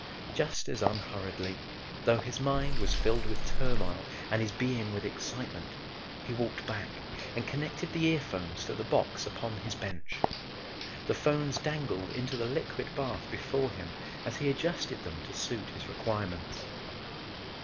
Just as unhurriedly, though his mind was filled with turmoil and his being with excitement, he walked back and connected the earphones to the box upon his bench. The phones dangled into the liquid bath before him as he adjusted them to suit his requirements.